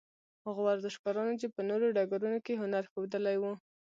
هغو ورزشکارانو چې په نورو ډګرونو کې هنر ښوولی وو.